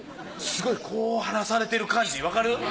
すごいこう話されてる感じわかる？